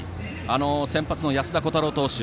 先発の安田虎汰郎投手